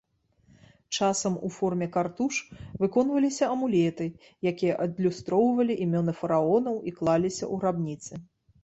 Часам у форме картуш выконваліся амулеты, якія адлюстроўвалі імёны фараонаў і клаліся ў грабніцы.